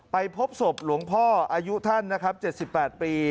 พบศพหลวงพ่ออายุท่านนะครับ๗๘ปี